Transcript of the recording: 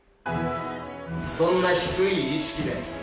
そんな低い意識で。